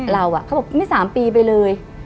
เราเขาบอกว่าไม่สามปีไปเลย